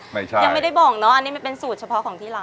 ยังไม่ได้บอกเนอะอันนี้มันเป็นสูตรเฉพาะของที่ร้าน